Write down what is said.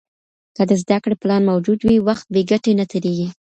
که د زده کړې پلان موجود وي، وخت بې ګټې نه تېرېږي.